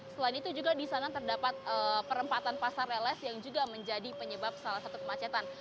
selain itu juga di sana terdapat perempatan pasar reles yang juga menjadi penyebab salah satu kemacetan